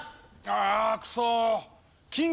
ああクソ。